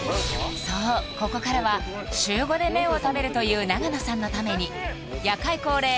そうここからは週５で麺を食べるという永野さんのために夜会恒例！